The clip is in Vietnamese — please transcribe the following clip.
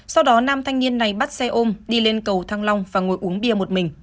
sau đó nam thanh niên này bắt xe ôm đi lên cầu thăng long và ngồi uống bia một mình